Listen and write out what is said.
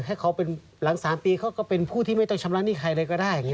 ให้เขาเป็นหลัง๓ปีเขาก็เป็นผู้ที่ไม่ต้องชำระหนี้ใครเลยก็ได้อย่างนี้